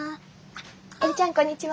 江理ちゃんこんにちは。